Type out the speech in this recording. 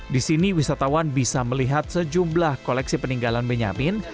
di sini wisatawan bisa melihat sejumlah koleksi peninggalan benyamin